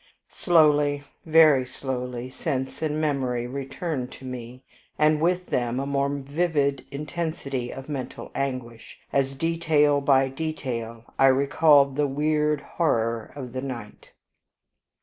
Slowly, very slowly, sense and memory returned to me, and with them a more vivid intensity of mental anguish, as detail by detail I recalled the weird horror of the night.